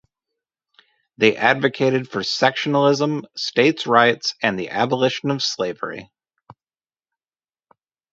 They advocated for sectionalism, states' rights, and the abolition of slavery.